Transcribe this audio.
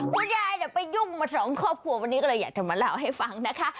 คุณยายไปยุ่งมาสองครอบครัววันนี้ก็เลยอยากจะมาเล่าให้ฟังนะคะ